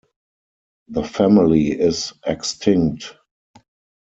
The family is extinct.